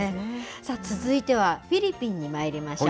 続いてはフィリピンにまいりましょう。